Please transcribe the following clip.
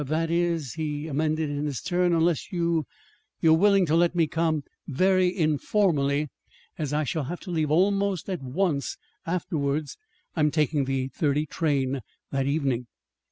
"Er that is," he amended in his turn, "unless you you are willing to let me come very informally, as I shall have to leave almost at once afterwards. I'm taking the eight thirty train that evening."